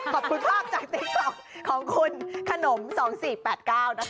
ขอบคุณภาพจากติ๊กต๊อกของคุณขนม๒๔๘๙นะคะ